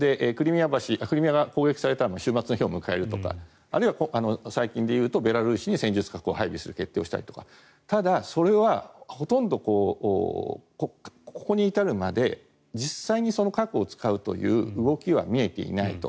クリミアが攻撃されたら終末の日を迎えるとかあるいは最近でいうとベラルーシに戦術核を配備する決定をしたりとかただそれはほとんどここに至るまで実際に核を使うという動きは見えていないと。